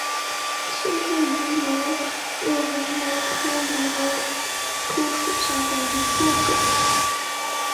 刺绣芋螺为芋螺科芋螺属下的一个种。